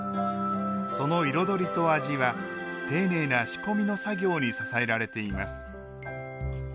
その彩りと味は丁寧な仕込みの作業に支えられています。